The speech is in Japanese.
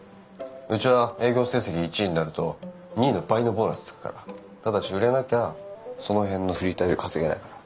うちは営業成績１位になると２位の倍のボーナスつくからただし売れなきゃその辺のフリーターより稼げないから。